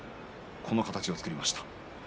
この形を作りました。